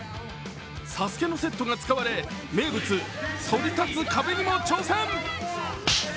ＳＡＳＵＫＥのセットが使われ、名物・そり立つ壁にも挑戦。